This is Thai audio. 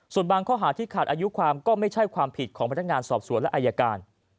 ส่วนบางข้อหาที่ขาดอายุความก็ไม่ใช่ความผิดของพนักงานสอบสวนและอายการ